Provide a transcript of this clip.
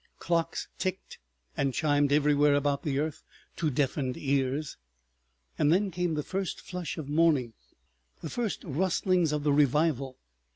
Clocks ticked and chimed everywhere about the earth to deafened ears. ... And then came the first flush of morning, the first rustlings of the revival.